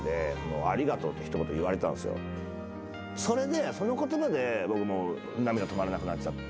それでその言葉で僕もう涙止まらなくなっちゃったんですよ。